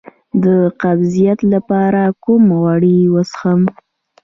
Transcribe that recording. د قبضیت لپاره کوم غوړي وڅښم؟